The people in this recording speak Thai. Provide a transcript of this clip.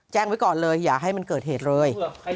แจ้งไว้ก่อนเลยอย่าให้มันเกิดเหตุเลย